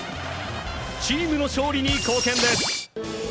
チームの勝利に貢献です。